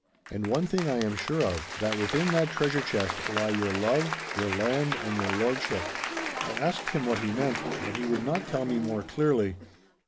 And one thing I am sure of—that within that treasure chest lie your love, your land, and your lordship!' I asked him what he meant, but he would not tell me more clearly.